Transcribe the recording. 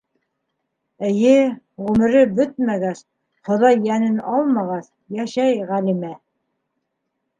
Эйе, ғүмере бөтмәгәс, Хоҙай йәнен алмағас, йәшәй Гәлимә.